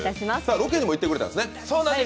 ロケにも行ってくれたんですね。